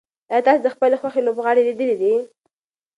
ایا تاسي د خپلې خوښې لوبغاړی لیدلی دی؟